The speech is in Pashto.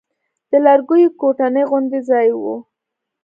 د لرګيو کوټنۍ غوندې ځاى و.